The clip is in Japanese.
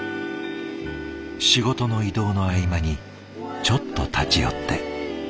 仕事の移動の合間にちょっと立ち寄って。